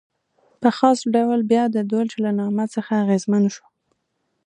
په خاص ډول بیا د دولچ له نامه څخه اغېزمن شو.